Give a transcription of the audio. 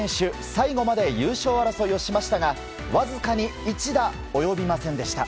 最後まで優勝争いをしましたがわずかに１打及びませんでした。